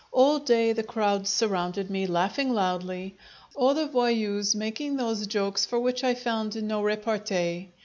All day the crowds surrounded me, laughing loudly; all the voyous making those jokes for which I found no repartee.